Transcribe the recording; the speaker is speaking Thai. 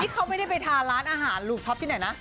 เขาไม่ได้ไปทานร้านอาหารลูกท็อปที่ไหนนะ